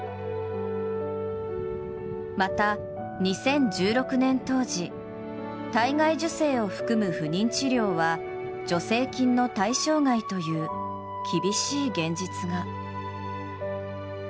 また、２０１６年当時、体外受精を含む不妊治療は助成金の対象外という厳しい現実が。